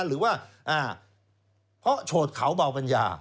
หรือว่าเพราะโฉดเขาเบาปัญญา